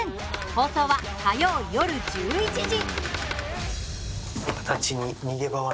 放送は毎週火曜日、夜１１時。